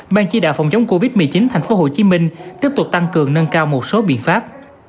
ban chỉ đạo phòng chống covid một mươi chín tp hcm tiếp tục tăng cường nâng cao một số biện pháp